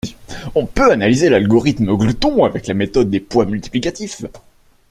On peut analyser l'algorithme glouton avec la méthode des poids multiplicatifs.